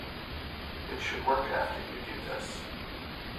it should work after you do this